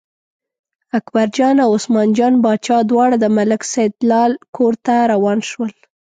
اکبرجان او عثمان جان باچا دواړه د ملک سیدلال کور ته روان شول.